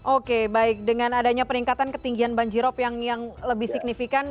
oke baik dengan adanya peningkatan ketinggian banjirop yang lebih signifikan